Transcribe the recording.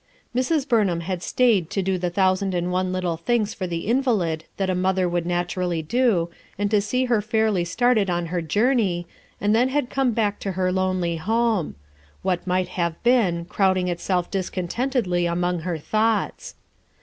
Mrs. Burnham had stayed to do the thousand and one little tilings for the invalid that a mother would naturally do, and to see her fairly started on her journey, and then had come back to her lonely home: what might have been crowding Itself discontentedly among her thoughts.